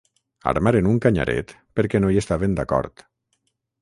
Armaren un canyaret perquè no hi estaven d'acord.